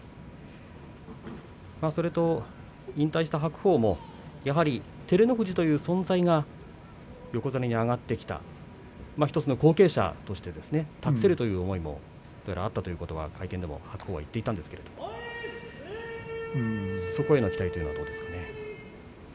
それと引退した白鵬もやはり照ノ富士という存在が横綱に上がってきた１つの後継者として託せるという思いもあったということは会見でも白鵬は言っていたんですけどそこへの期待はどうですか？